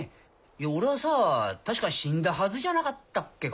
俺はさ確か死んだはずじゃなかったっけか？